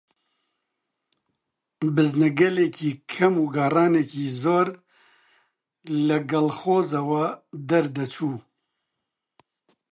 بزنەگەلێکی کەم و گاڕانێکی زۆر لە کەڵخۆزەوە دەردەچوو